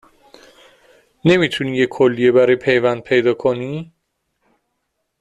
نمی تونی یه کلیه برا پیوند پیدا کنی؟